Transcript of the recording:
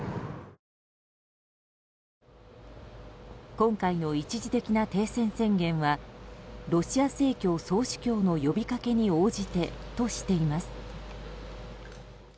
今回の一時的な停戦宣言はロシア正教総主教の呼びかけに応じてとしています。